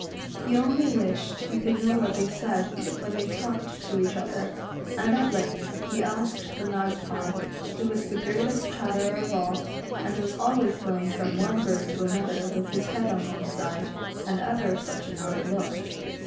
He only wished he could know what they said when they talked to each other ; and at length he asked the Magpie, who was the greatest chatterer of all, and was always going from one bird to another with his head on one side, and ever such a knowing look.